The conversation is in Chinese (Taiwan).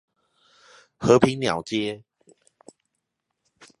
和平鳥街